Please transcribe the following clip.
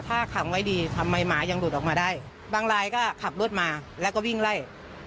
ถ้าขังไว้ดีทำไมหมายังหลุดออกมาได้บางรายก็ขับรถมาแล้วก็วิ่งไล่